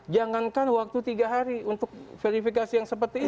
jangankan waktu tiga hari untuk verifikasi yang seperti ini